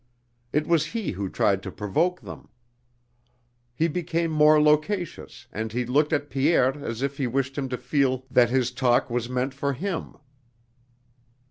It was he who tried to provoke them: he became more loquacious and he looked at Pierre as if he wished him to feel that his talk was meant for him.